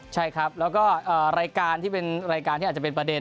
ใช่ครับแล้วก็รายการที่อาจจะเป็นประเด็น